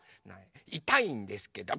いたいんですけど。